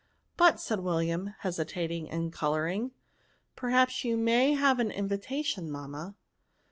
•' But," said William,, hesitating and co louring, '' perhaps you may have an invit ation, mamma."